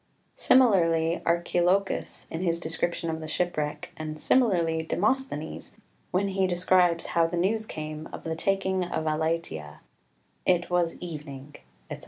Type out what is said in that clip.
] 7 Similarly Archilochus in his description of the shipwreck, and similarly Demosthenes when he describes how the news came of the taking of Elatea "It was evening," etc.